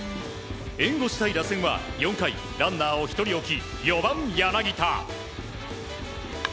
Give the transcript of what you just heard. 援護したい打線は、４回ランナーを１人置き４番、柳田。